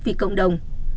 vì cộng đồng